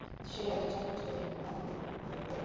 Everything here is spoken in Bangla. সে একজন সাবেক মন্ত্রী বলেই এমন ঔদ্ধত্য।